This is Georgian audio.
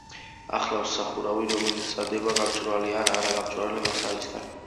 ახლავს სახურავი, რომელიც მზადდება გამჭვირვალე ან არაგამჭვირვალე მასალებისგან.